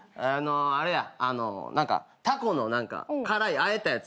あれや何かタコの辛いあえたやつ。